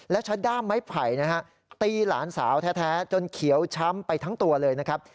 และใช้ด้ามไม้ไผ่นะฮะตีหลานสาวแท้จนเขียวช้ำไปทั้งตัวเลยนะครับ